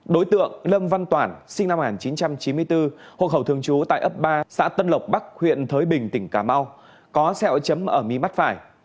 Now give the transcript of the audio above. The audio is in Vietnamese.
đối tượng lâm văn toản sinh năm một nghìn chín trăm chín mươi bốn hộ khẩu thường trú tại ấp ba xã tân lộc bắc huyện thới bình tỉnh cà mau có xeo chấm ở mi mắt phải